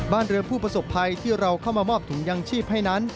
บ้านเรือผู้ประสบภัยที่เราเข้ามามอบถุงยางชีพให้นั้น